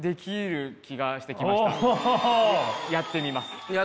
やってみます。